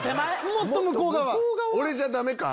俺じゃダメか？